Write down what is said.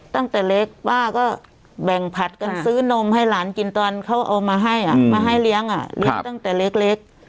ตั้งแต่เล็กป้าก็แบ่งผัดกันซื้อนมให้หลานกินตอนเขาเอามาให้มาให้เลี้ยงเลี้ยงตั้งแต่เล็ก